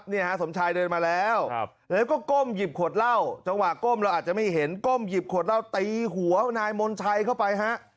สมชายเดินมาแล้วแล้วก็ก้มหยิบขวดเหล้าจังหวะก้มเราอาจจะไม่เห็นก้มหยิบขวดเหล้าตีหัวนายมนชัยเข้าไปฮะ